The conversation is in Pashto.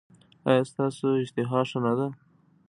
ایا ستاسو اشتها ښه نه ده؟